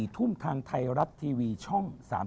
๔ทุ่มทางไทยรัฐทีวีช่อง๓๒